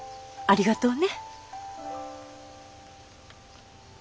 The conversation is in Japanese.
ありがとう。